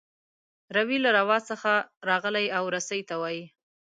روي له روا څخه راغلی او رسۍ ته وايي.